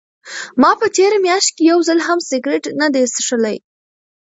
ما په تېره میاشت کې یو ځل هم سګرټ نه دی څښلی.